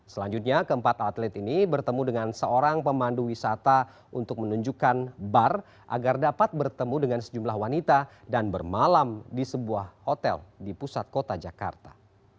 selanjutnya keempat atlet ini bertemu dengan seorang pemandu wisata untuk menunjukkan bar agar dapat bertemu dengan sejumlah wanita dan bermalam di sebuah hotel di pusat kota jakarta